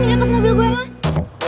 kalian ngapain nih deket mobil gue ma